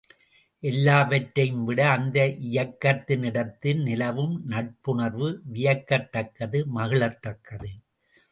எல்லாவற்றையும் விட அந்த இயக்கத்தினிடத்தில் நிலவும் நட்புணர்வு வியக்கத்தக்கது மகிழத் தக்கது.